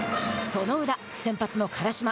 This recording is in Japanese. その裏、先発の辛島。